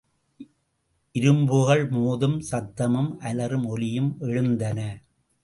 இரும்புகள் மோதும் சத்தமும், அலறும் ஒலியும் எழுந்தன.